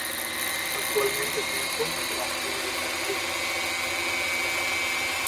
Actualmente se encuentra en negociaciones.